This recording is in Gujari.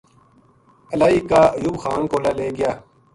الائی کا ایوب خان کو لے لے گیا